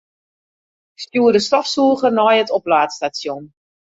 Stjoer de stofsûger nei it oplaadstasjon.